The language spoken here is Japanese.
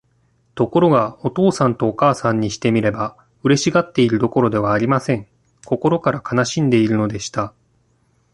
ところが、お父さんとお母さんにしてみれば、嬉しがっているどころではありません。心から悲しんでいるのでした。